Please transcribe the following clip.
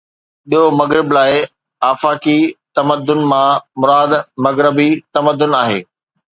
ٻيو، مغرب لاءِ، آفاقي تمدن مان مراد مغربي تمدن آهي.